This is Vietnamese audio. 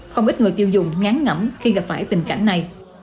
không ít người tiêu dùng ngán ngẩm khi gặp phải tình cảnh này